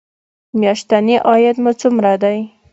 میاشتنی عاید مو څومره دی؟